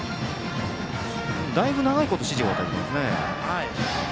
だいぶ長いこと指示を与えていますね。